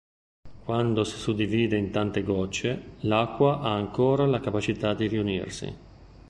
Quando si suddivide in tante gocce, l'acqua ha ancora la capacità di riunirsi.